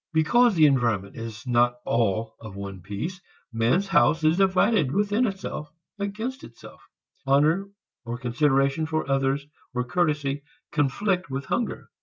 Because the environment is not all of one piece, man's house is divided within itself, against itself. Honor or consideration for others or courtesy conflict with hunger.